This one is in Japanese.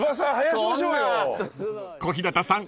［小日向さん